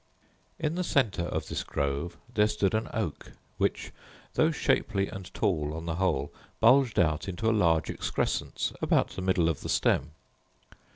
In the centre of this grove there stood an oak, which, though shapely and tall on the whole, bulged out into a large excrescence about the middle of the stem.